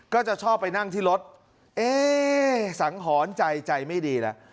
ก็จะชอบไปนั่งที่รถเอ๊สังหรณ์ใจใจไม่ดีแล้ว